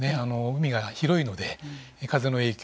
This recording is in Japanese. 海が広いので風の影響